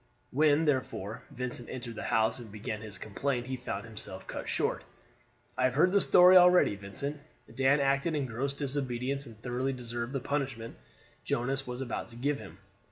When, therefore, Vincent entered the house and began his complaint he found himself cut short. "I have heard the story already, Vincent. Dan acted in gross disobedience, and thoroughly deserved the punishment Jonas was about to give him.